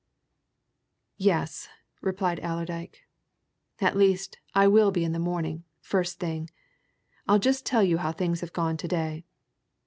"Yes!" replied Allerdyke. "At least, I will be in the morning first thing. I'll just tell you how things have gone to day.